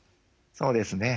そうですね。